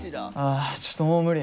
あちょっともう無理。